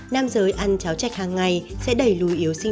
nam giới ăn cháo chạch hàng ngày sẽ đẩy lùi yếu sĩ